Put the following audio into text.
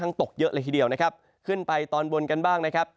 ตกเยอะเลยทีเดียวนะครับขึ้นไปตอนบนกันบ้างนะครับ